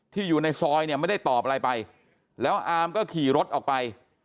อยู่ในซอยเนี่ยไม่ได้ตอบอะไรไปแล้วอามก็ขี่รถออกไป